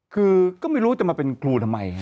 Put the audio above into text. คือก็ไม่รู้จะมาเป็นครูทำไม